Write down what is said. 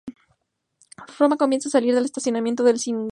Roma comienza a salir del estancamiento del siglo anterior.